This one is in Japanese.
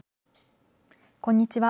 こんにちは。